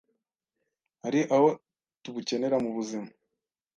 hari aho tubukenera mubuzima